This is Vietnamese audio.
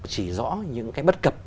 chỉ rõ những cái bất cập